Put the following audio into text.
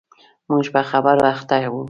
موږ په خبرو اخته و.